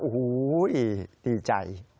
โอ้โหดีใจ